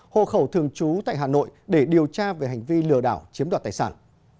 hộ khẩu thường trú tại hà nội để điều tra về hành vi lừa đảo chiếm đoạt tài sản